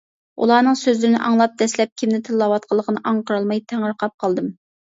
ئۇلارنىڭ سۆزلىرىنى ئاڭلاپ دەسلەپ كىمنى تىللاۋاتقانلىقىنى ئاڭقىرالماي، تېڭىرقاپ قالدىم.